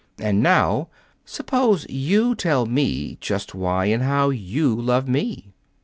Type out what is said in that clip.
"And now suppose you tell me just why and how you love me."